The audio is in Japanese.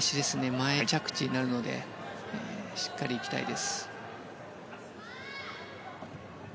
前着地になるのでしっかりいきたいです。